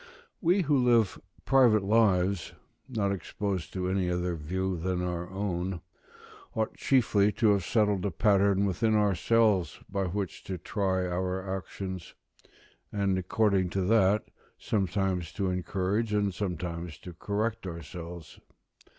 We, who live private lives, not exposed to any other view than our own, ought chiefly to have settled a pattern within ourselves by which to try our actions: and according to that, sometimes to encourage and sometimes to correct ourselves.